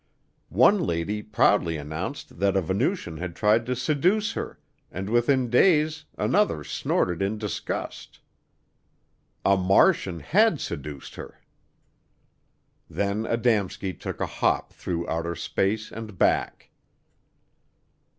One lady proudly announced that a Venusian had tried to seduce her and within days another snorted in disgust. A Martian had seduced her. Then Adamski took a hop through outer space and back.